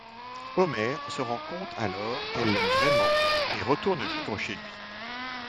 Homer se rend compte alors qu'elle l'aime vraiment et retourne vivre chez lui.